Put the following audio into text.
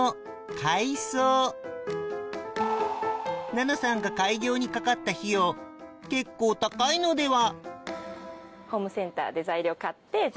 ななさんが開業にかかった費用結構高いのでは？